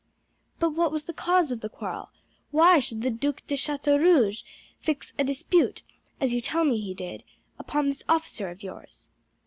"But what was the cause of the quarrel? Why should the Duc de Chateaurouge fix a dispute, as you tell me he did, upon this officer of yours?"